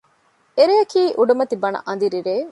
އެ ރެޔަކީ އުޑުމަތި ބަނަ އަނދިރި ރެއެއް